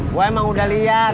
gue emang udah liat